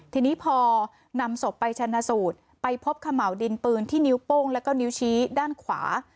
ทีนี้พอนำศพไปชนะสูตรไปพบขม่าวดินปืนที่นิ้วโป้งแล้วก็นิ้วชี้ด้านขวา